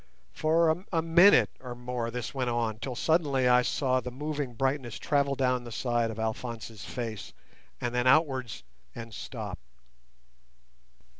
For a minute or more this went on, till suddenly I saw the moving brightness travel down the side of Alphonse's face, and then outwards and stop.